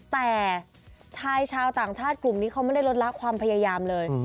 แต่ชายชาวต่างชาติกลุ่มนี้เขาไม่ได้ลดละความพยายามเลย